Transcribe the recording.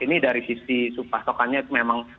ini dari sisi pasokannya itu memang